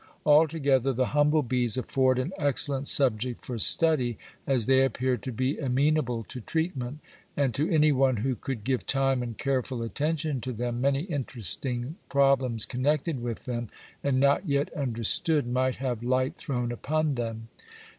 Altogether the humble bees afford an excellent subject for study, as they appear to be amenable to treatment, and to any one who could give time and careful attention to them many interesting problems connected with them and not yet understood might have light thrown upon them.